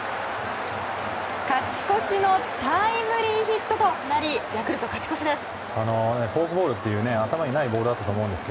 勝ち越しのタイムリーヒットとなりヤクルト勝ち越しです。